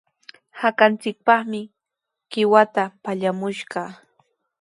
Hakanchikpaqmi qiwata pallamushqaa.